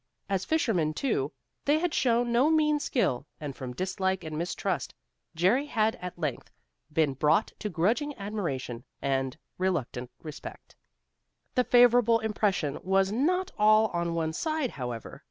As fishermen, too, they had showed no mean skill, and from dislike and mistrust, Jerry had at length been brought to grudging admiration and reluctant respect. The favorable impression was not all on one side, however.